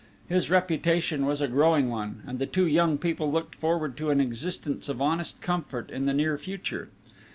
His reputation was a growing one, and the two young people looked forward to an existence of honest comfort in the near future.